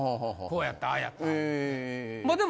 「こうやったああやった」って。